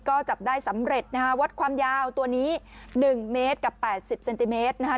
ก็จับได้สำเร็จนะฮะวัดความยาวตัวนี้๑เมตรกับ๘๐เซนติเมตรนะคะ